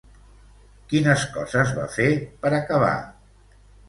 Quines coses va fer, per acabar?